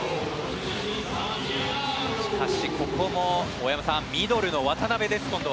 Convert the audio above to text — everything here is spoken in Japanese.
しかし、ここも大山さんミドルの渡邊です。